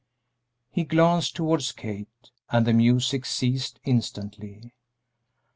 He glanced towards Kate, and the music ceased instantly.